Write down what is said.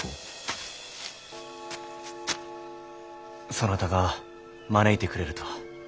そなたが招いてくれるとは。